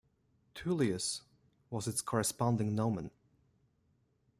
Tullius was its corresponding nomen.